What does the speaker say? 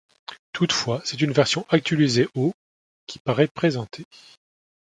Toutefois, c'est une version actualisée au qui paraît présentée.